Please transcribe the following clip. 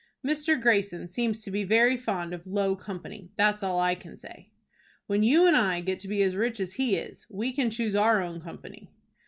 "Mr. Greyson seems to be very fond of low company. That's all I can say." "When you and I get to be as rich as he is, we can choose our own company."